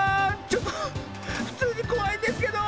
ちょっとふつうにこわいんですけど！